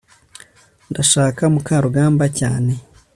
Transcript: ndashaka mukarugambwa cyane